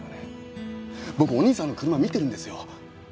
僕お兄さんの車見てるんですよ。